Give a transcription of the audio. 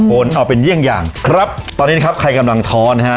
ผลเอาเป็นเยี่ยงอย่างครับตอนนี้นะครับใครกำลังท้อนนะฮะ